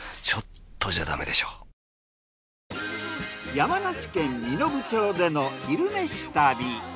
山梨県身延町での「昼めし旅」。